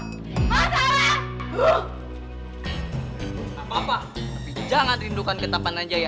gak apa apa tapi jangan rindukan ketapan rana jaya